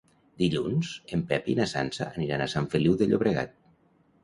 Dilluns en Pep i na Sança aniran a Sant Feliu de Llobregat.